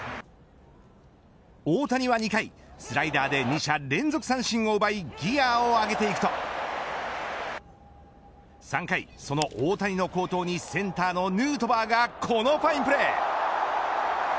大谷は２回、スライダーで２者連続三振を奪いギアを上げていくと３回その大谷の好投にセンターのヌートバーがこのファインプレー。